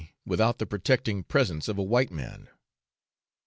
without the protecting presence of a white man.